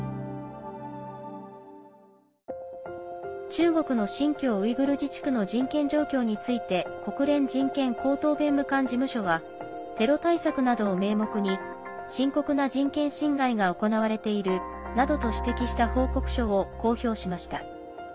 中国の新疆ウイグル自治区の人権状況について国連人権高等弁務官事務所はテロ対策などを名目に深刻な人権侵害が行われているなどと指摘した報告書を公表しました。